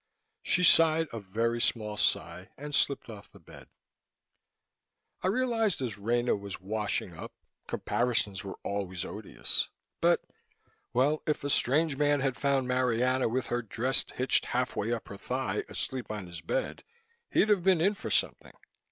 She sighed a very small sigh and slipped off the bed. I realized as Rena was washing up, comparisons were always odious, but Well, if a strange man had found Marianna with her dress hitched halfway up her thigh, asleep on his bed, he'd have been in for something.